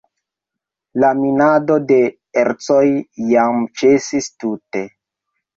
La minado de ercoj jam ĉesis tute.